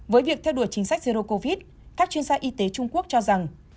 với việc theo đuổi chính sách zero covid các chuyên gia y tế trung quốc cho rằng